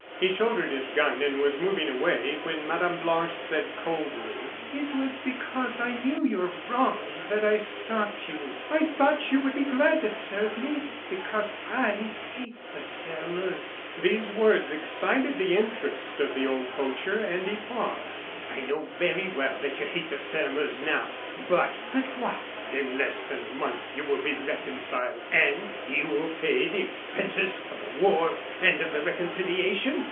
He shouldered his gun and was moving away, when Mme. Blanche said, coldly: "It was because I knew your wrongs that I stopped you; I thought you would be glad to serve me, because I hate the Sairmeuse." These words excited the interest of the old poacher, and he paused. "I know very well that you hate the Sairmeuse now but " "But what!" "In less than a month you will be reconciled. And you will pay the expenses of the war and of the reconciliation?